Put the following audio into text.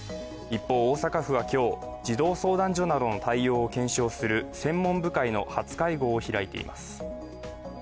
一方、大阪府は今日、児童相談所などの対応を検証する専門部会の初会合を開いています。